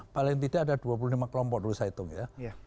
paling tidak ada dua puluh lima kelompok dulu saya hitung ya